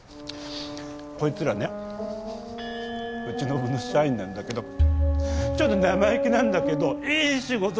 こいつらねうちの部の社員なんだけどちょっと生意気なんだけどいい仕事すんのよ！